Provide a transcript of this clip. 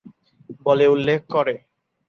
বলে উল্লেখ করে।